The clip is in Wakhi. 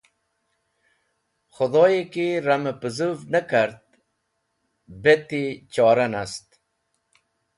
Khẽdhoyẽ ki ramẽ pẽzũv ne kart beti chora nast.